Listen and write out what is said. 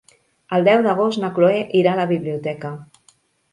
El deu d'agost na Cloè irà a la biblioteca.